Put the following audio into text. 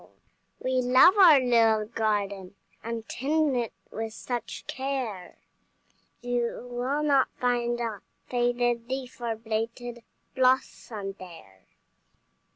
We love our little garden, And tend it with such care, You will not find a faded leaf Or blighted blossom there.